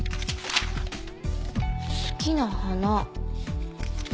好きな花。